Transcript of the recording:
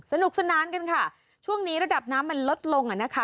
สนุกสนานกันค่ะช่วงนี้ระดับน้ำมันลดลงอ่ะนะคะ